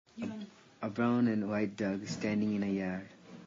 A brown and white dog standing in a yard.